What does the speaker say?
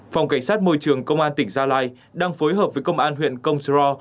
phòng cảnh sát môi trường công an tỉnh gia lai đang phối hợp với công an huyện công slore